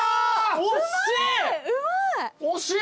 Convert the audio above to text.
惜しい！